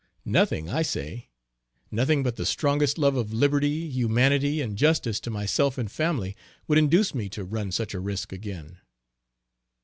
Nothing I say, nothing but the strongest love of liberty, humanity, and justice to myself and family, would induce me to run such a risk again.